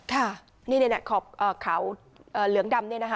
ค่ะนี่ขอบขาวเหลืองดำเนี่ยนะคะ